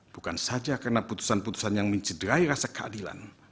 bukan saja karena putusan putusan yang mencederai rasa keadilan